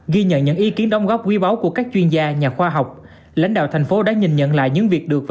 ghi nhận những ý kiến đóng góp quý báu của các chuyên gia nhà khoa học